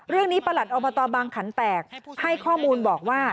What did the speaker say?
เรื่องนี้ประหลัดออบตบางขันแตกให้ข้อมูลบอกว่า